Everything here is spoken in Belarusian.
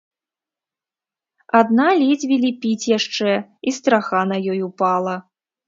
Адна ледзьве ліпіць яшчэ, і страха на ёй упала.